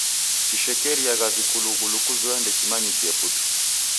Chishekeriagha vikulughulu kuzoya ndechimanyikie putu.